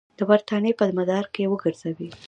د برټانیې په مدار کې وګرځوي.